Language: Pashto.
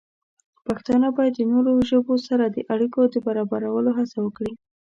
پښتانه باید د نورو ژبو سره د اړیکو د برابرولو هڅه وکړي.